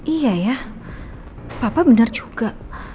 iya ya apa benar juga